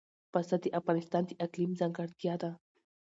پسه د افغانستان د اقلیم ځانګړتیا ده.